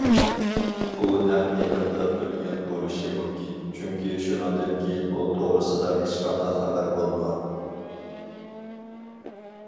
ئۇ نەق مەيداندا ئۆلگەن بولۇشى مۇمكىن، چۈنكى شۇنىڭدىن كېيىن ئۇ توغرىسىدا ھېچقانداق خەۋەر بولمىغان.